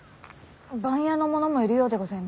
番屋の者もいるようでございます。